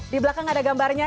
di belakang ada gambarnya